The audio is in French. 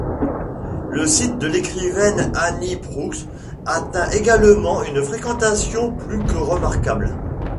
Le site de l'écrivaine Annie Proulx atteint également une fréquentation plus que remarquable.